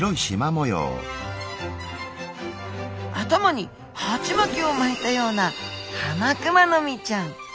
頭に鉢巻きを巻いたようなハマクマノミちゃんギョっち！